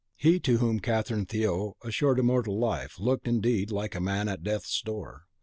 He to whom Catherine Theot assured immortal life, looked, indeed, like a man at death's door.